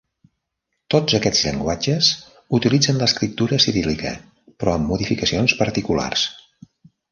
Tots aquests llenguatges utilitzen l'escriptura ciríl·lica, però amb modificacions particulars.